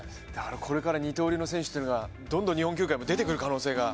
これから二刀流の選手というのが日本球界も出てくる可能性が。